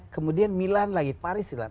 kemudian milan lagi paris